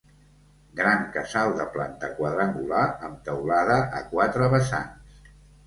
Gran casal de planta quadrangular amb teulada a quatre vessants.